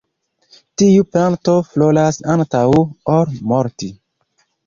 Tiu planto floras antaŭ ol morti.